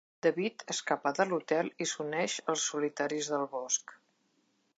David escapa de l'Hotel i s'uneix als Solitaris del bosc.